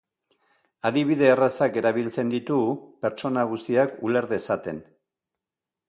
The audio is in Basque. Adibide errazak erabiltzen ditu pertsona guztiak uler dezaten.